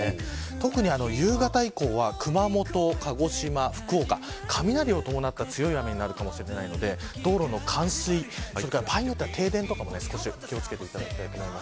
特に夕方以降は熊本、鹿児島、福岡雷を伴った強い雨になるかもしれませんので道路の冠水場合によっては停電にもお気を付けください。